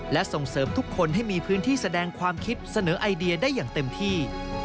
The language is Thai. และส่งเสริมทุกคนให้มีพื้นที่แสดงความคิดเสนอไอเดียได้อย่างเต็มที่